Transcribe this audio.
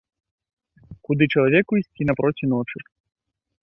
Куды чалавеку ісці напроці ночы.